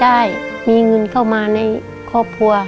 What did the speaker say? ได้มีเงินเข้ามาในครอบครัว